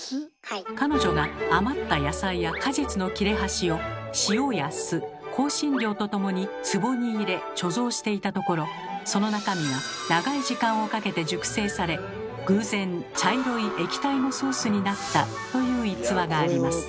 彼女が余った野菜や果実の切れ端を塩や酢香辛料と共につぼに入れ貯蔵していたところその中身が長い時間をかけて熟成され偶然茶色い液体のソースになったという逸話があります。